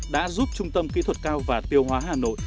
đã giúp trung tâm kỹ thuật cao và tiêu hóa hà nội